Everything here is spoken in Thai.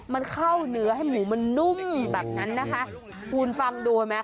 มันเข้าเนื้อให้หมูมันนุ่มแบบนั้นนะคะคุณฟังดูไหม